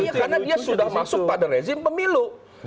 kpu sudah masuk pada rezim pemilu